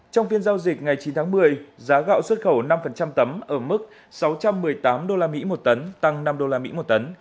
trong phiên giao dịch ngày chín tháng một mươi giá gạo xuất khẩu năm tấm ở mức sáu trăm một mươi tám usd một tấn tăng năm usd một tấn